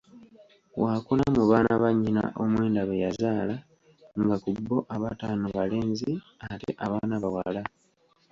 Waakuna mu baana bannyina omwenda beyazaala nga ku bbo abataano balenzi ate abana bawala